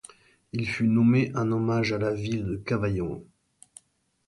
Il fut nommé en hommage à la ville de Cavaillon.